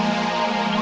gila ini udah berapa